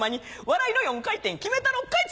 笑いの４回転決めたろかい！